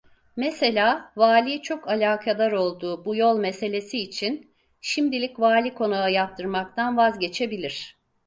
Mesela vali çok alakadar olduğu bu yol meselesi için şimdilik vali konağı yaptırmaktan vazgeçebilir…